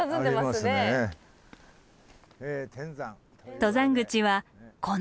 登山口はこの階段。